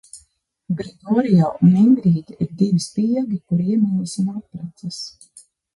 Gregorio un Ingrīda ir divi spiegi, kuri iemīlas un apprecas.